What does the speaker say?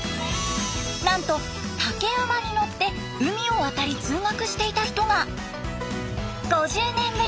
なんと竹馬に乗って海を渡り通学していた人が！